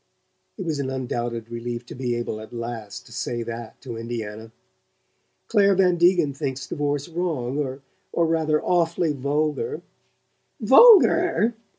(It was an undoubted relief to be able, at last, to say that to Indiana!) "Clare Van Degen thinks divorce wrong or rather awfully vulgar." "VULGAR?"